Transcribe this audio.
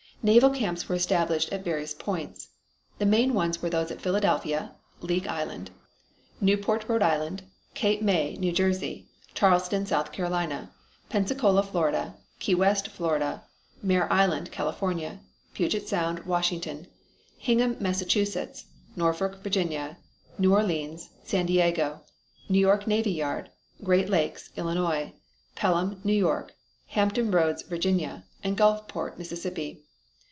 Naval camps were established at various points. The main ones were those at Philadelphia, (League Island); Newport, Rhode Island; Cape May, New Jersey; Charleston, South Carolina; Pensacola, Florida; Key West, Florida; Mare Island, California; Puget Sound, Washington; Hingham, Massachusetts; Norfolk, Virginia; New Orleans, San Diego, New York Navy Yard; Great Lakes, Illinois; Pelham, New York; Hampton Roads, Virginia; and Gulfport, Mississippi.